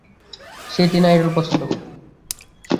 সে teen idol পছন্দ করতো?